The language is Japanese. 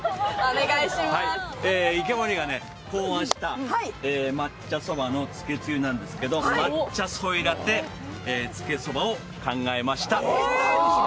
池森が考案した抹茶そばのつけつゆなんですけど、抹茶ソイラテつけそばを考えました。